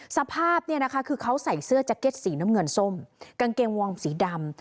สภาพคือเขาใส่เสื้อแจ็คเก็ตสีน้ำเงินส้มกางเกงวองสีดำ